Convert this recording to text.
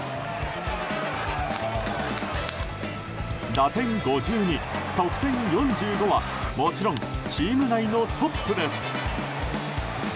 打点５２、得点４５はもちろんチーム内のトップです。